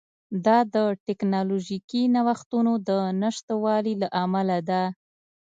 دا د ټکنالوژیکي نوښتونو د نشتوالي له امله ده